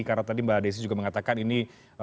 karena tadi mbak desy juga mengatakan ini